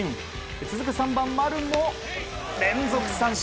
続く３番、丸も連続三振。